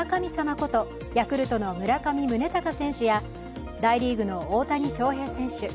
ことヤクルトの村上宗隆選手や大リーグの大谷翔平選手